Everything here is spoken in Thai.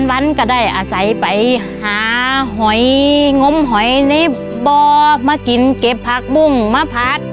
วันก็ได้อาศัยไปหาหอยงมหอยในบ่อมากินเก็บผักบุ้งมาผัด